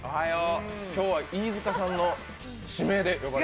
今日は飯塚さんの指名で呼ばれた？